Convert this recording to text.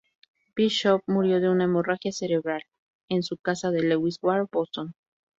Bishop murió de una hemorragia cerebral en su casa de Lewis Wharf, Boston.